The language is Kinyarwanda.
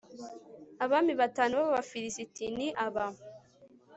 abami batanu b'abafilisiti ni aba